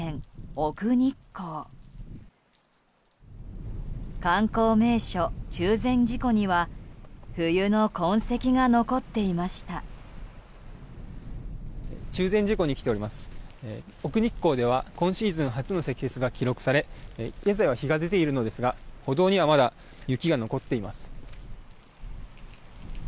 奥日光では今シーズン初の積雪が記録され現在は日が出ているのですが歩道には、まだ雪が残っています。